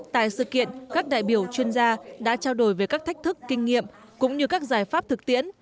tại sự kiện các đại biểu chuyên gia đã trao đổi về các thách thức kinh nghiệm cũng như các giải pháp thực tiễn